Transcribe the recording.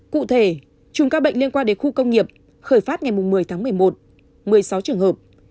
cụ thể chùm các bệnh liên quan đến khu công nghiệp khởi phát ngày một mươi tháng một mươi một một mươi sáu trường hợp